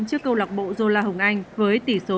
trước câu lọc bộ zola hồng anh với tỷ số ba một